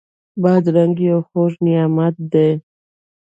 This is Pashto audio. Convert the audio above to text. بادرنګ یو خوږ نعمت دی.